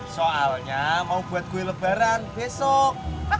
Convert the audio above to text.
soalnya mau buat kue lebaran besok